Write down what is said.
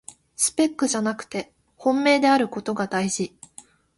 スペックじゃなくて本命であることがだいじ